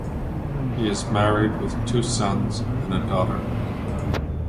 He is married with two sons and a daughter.